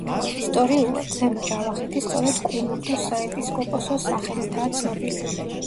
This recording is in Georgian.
ისტორიულად ზემო ჯავახეთი სწორედ კუმურდოს საეპისკოპოსოს სახელითაა ცნობილი.